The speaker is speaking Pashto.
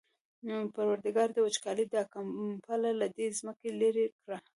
پروردګاره د وچکالۍ دا کمپله له دې ځمکې لېرې کړه.